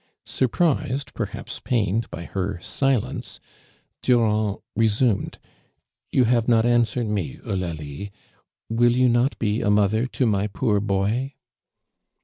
Surprised, perhaps pained by her silence, Durand resumed : "You have not answered me, Eulalie! Will you not be a mother to my poor boy